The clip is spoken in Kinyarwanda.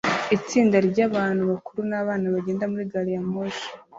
Itsinda ryabantu bakuru nabana bagenda muri gari ya moshi